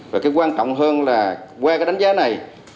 và cái quan trọng hơn là qua cái đánh giá này